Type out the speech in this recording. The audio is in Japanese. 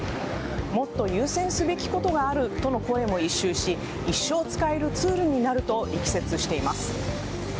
もっと優先すべきことがあるとの声も一蹴し一生使えるツールになると力説しています。